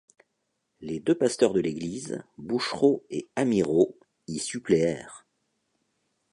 Les deux pasteurs de l’église, Bouchereau et Amyrault y suppléèrent.